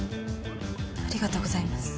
ありがとうございます。